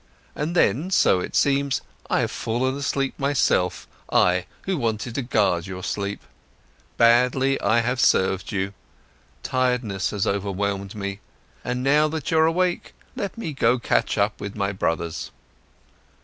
And then, so it seems, I have fallen asleep myself, I who wanted to guard your sleep. Badly, I have served you, tiredness has overwhelmed me. But now that you're awake, let me go to catch up with my brothers."